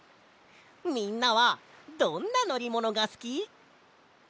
みんなはどんなのりものがすき？